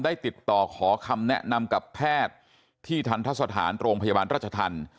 ติดต่อขอคำแนะนำกับแพทย์ที่ทันทะสถานโรงพยาบาลราชธรรม